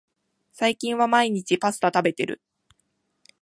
最近は毎日パスタ食べてる